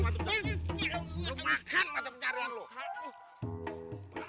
lo makan mata pencarian lo